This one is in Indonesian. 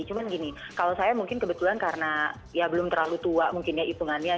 cuma gini kalau saya mungkin kebetulan karena ya belum terlalu tua mungkin ya hitungannya